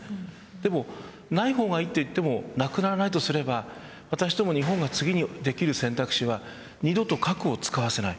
でもない方がいいと言ってもなくならないとすれば次にできる選択肢は二度と核を使わせない